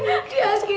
aduh kita tidurin